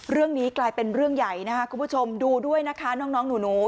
เรื่องนี้กลายเป็นเรื่องใหญ่นะคะคุณผู้ชมดูด้วยนะคะน้องหนู